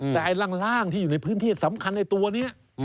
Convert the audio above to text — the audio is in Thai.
แต่ไอ้ร่างที่อยู่ในพื้นที่สำคัญไอ้ตัวนี้